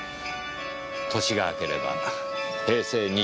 年が明ければ平成２０年。